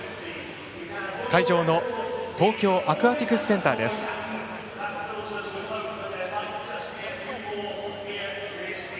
会場の東京アクアティクスセンターです。